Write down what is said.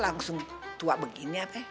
langsung tua begini apa